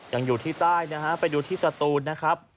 อยู่ที่ใต้นะฮะไปดูที่สตูนนะครับ